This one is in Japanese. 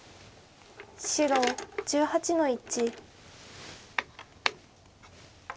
白１８の一。